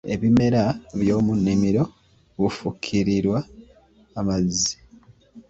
Ebimera by'omu nnimiro bufukirirwa amazzi